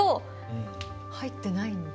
入ってないんだ。